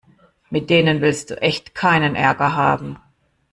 Mit denen willst du echt keinen Ärger haben.